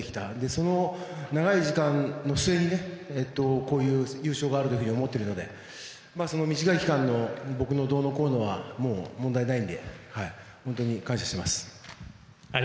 その長い時間の末にこういう優勝があると思って短い期間の僕のどうのこうのはもう問題ないので本当に感謝します。